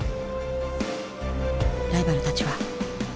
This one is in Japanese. ライバルたちは。